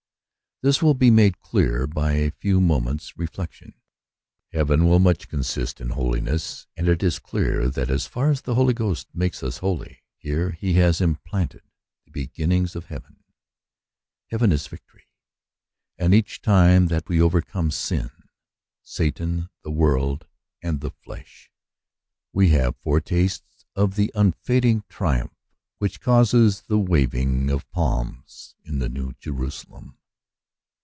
This will be made clear by a few moments' re flection. Heaven will much consist in holiness; and it is clear that, as far as the Holy Ghost makes us holy here, he has implanted the beginnings of heaven. Heaven is victory : and each time that we overcome sin, Satan, the world, and the flesh, we have foretastes of the unfading triumph which causes the waving of palms in the New Jerusalem.